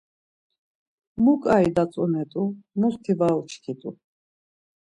Mu ǩai datzonet̆u musti var uçkit̆u.